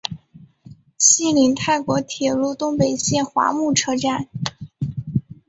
西邻泰国铁路东北线华目车站。